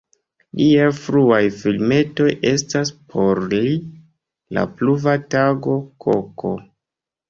Liaj fruaj filmetoj estas: "Por li", "La pluva tago", "Koko".